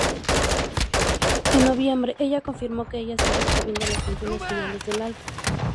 En noviembre, ella confirmó que ella estaba escribiendo las canciones finales del álbum.